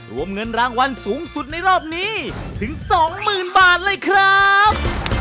รวมเงินรางวัลสูงสุดในรอบนี้ถึง๒๐๐๐บาทเลยครับ